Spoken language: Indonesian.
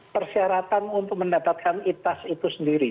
persyaratan untuk mendapatkan itas itu sendiri